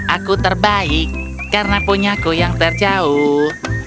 aku terbaik karena punyaku yang terjauh